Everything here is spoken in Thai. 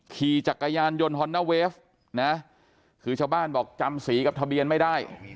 ขี่จักรยานยนต์ฮอนด้าเวฟนะคือชาวบ้านบอกจำสีกับทะเบียนไม่ได้